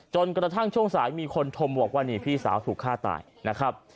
จนกระทั่งช่วงสายมีคนโทรมาบอกว่านี่พี่สาวถูกฆ่าตายนะครับ